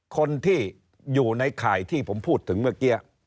คนที่อยู่ในข่ายที่ผมพูดถึงเมื่อกี้